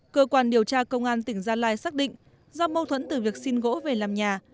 cơ quan điều tra công an tỉnh gia lai xác định do mâu thuẫn từ việc xin gỗ về làm nhà